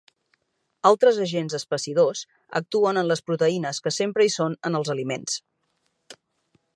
Altres agents espessidors actuen en les proteïnes que sempre hi són en els aliments.